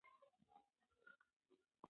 ټول واکسینونه د نړیوالو معیارونو سره سم دي.